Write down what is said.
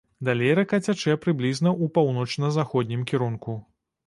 Далей рака цячэ прыблізна ў паўночна-заходнім кірунку.